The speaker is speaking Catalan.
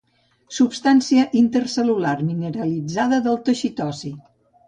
Substància intercel·lular mineralitzada del teixit ossi.